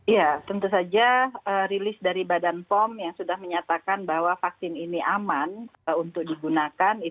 ya tentu saja rilis dari badan pom yang sudah menyatakan bahwa vaksin ini aman untuk digunakan